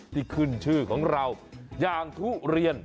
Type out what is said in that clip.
ที่ขึ้นชื่อของเราอย่างทุเรียน